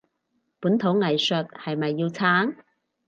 本土藝術係咪要撐？